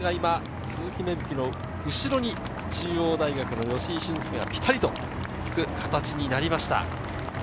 鈴木芽吹の後ろに中央大学の吉居駿恭がピタリとつく形になりました。